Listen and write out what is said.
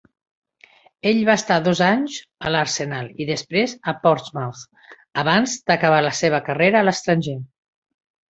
Ell va estar dos anys al Arsenal i després al Portsmouth abans d'acabar la seva carrera a l'estranger.